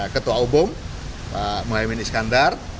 ketua ubung mohaimin iskandar